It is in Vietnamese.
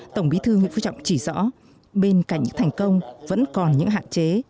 tổng bí thư nguyễn phú trọng chỉ rõ bên cạnh những thành công vẫn còn những hạn chế